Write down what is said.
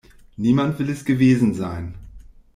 Niemand will es gewesen sein.